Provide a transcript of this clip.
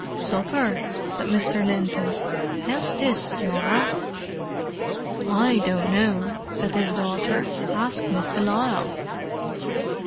"Supper?" said Mr. Linton. "How's this, Norah?" "I don't know," said his daughter. "Ask Miss de Lisle!"